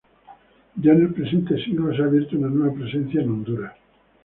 Ya en el presente siglo se ha abierto una nueva presencia en Honduras.